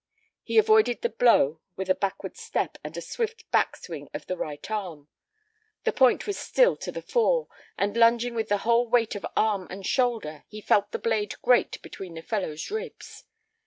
He avoided the blow with a backward step and a swift back swing of the right arm. The point was still to the fore, and lunging with the whole weight of arm and shoulder, he felt the blade grate between the fellow's ribs.